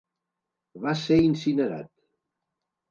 Va ser incinerat.